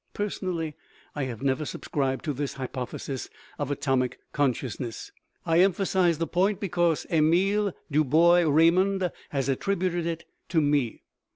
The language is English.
Personally, I have never subscribed to this hypoth esis of atomic consciousness. I emphasize the point because Emil du Bois Reymond has attributed it to me.